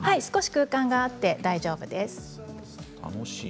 空間があって大丈夫です。